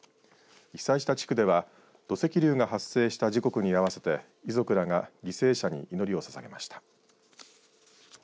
被災した地区では土石流が発生した時刻に合わせて遺族らが犠牲者に祈りをささげました。